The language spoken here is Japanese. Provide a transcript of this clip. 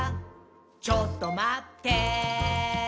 「ちょっとまってぇー！」